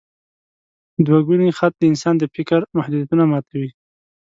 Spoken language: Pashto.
دوګوني خط د انسان د فکر محدودیتونه ماتوي.